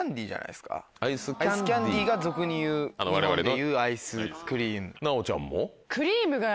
アイスキャンディーが俗にいう日本でいうアイスクリーム。